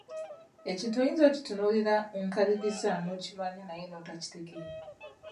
Ekintu oyinza okukitunuulira enkaliriza n'okimanya naye n'otakitegeera